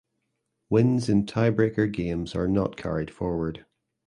Wins in tiebreaker games are not carried forward.